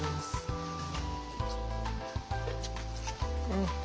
うん！